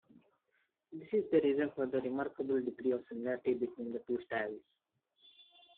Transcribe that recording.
This is the reason for the remarkable degree of similarity between the two styles.